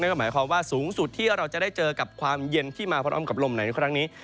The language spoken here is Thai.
ก็หมายความว่าสูงสุดที่เราจะได้เจอกับความเย็นที่มาพร้อมกับลมไหนในครั้งนี้